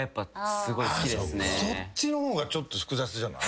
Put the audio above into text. そっちの方がちょっと複雑じゃない？